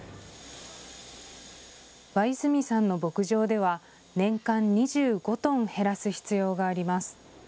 和泉さんの牧場では年間２５トン、減らす必要があります。